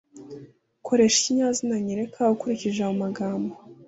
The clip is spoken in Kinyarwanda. koresha ikinyazina nyereka ukurikije ayo amagambo